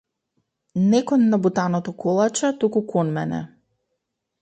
Не кон набутаното колаче туку кон мене.